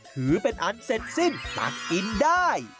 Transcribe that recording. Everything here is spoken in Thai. ถือเป็นอันเสร็จสิ้นตักกินได้